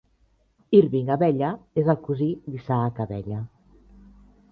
Irving Abella és el cosí d'Isaac Abella.